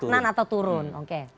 stagnan atau turun oke